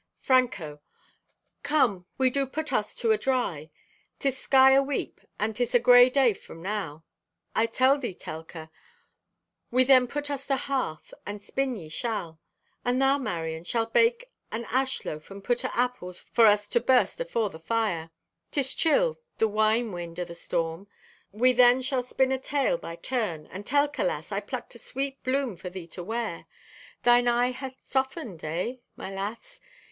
(Franco) "Come, we do put us to a dry. 'Tis sky aweep, and 'tis a gray day from now. I tell thee, Telka, we then put us to hearth, and spin ye shall. And thou, Marion, shalt bake an ash loaf and put o' apples for to burst afore the fire. 'Tis chill, the whine wind o' the storm. We then shall spin a tale by turn; and Telka, lass, I plucked a sweet bloom for thee to wear. Thine eye hath softened, eh, my lass?